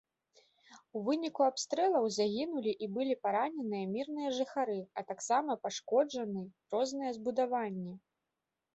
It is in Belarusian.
У выніку абстрэлаў загінулі і былі параненыя мірныя жыхары, а таксама пашкоджаны розныя збудаванні.